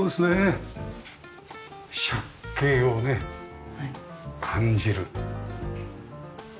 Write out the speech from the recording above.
借景をね感じる。